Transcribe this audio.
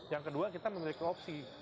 yang kedua kita memiliki opsi